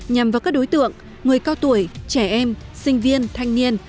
nhằm vào các đối tượng người cao tuổi trẻ em sinh viên thanh niên